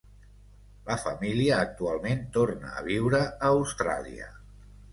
La família actualment torna a viure a Austràlia.